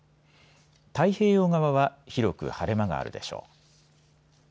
太平洋側は広く晴れ間があるでしょう。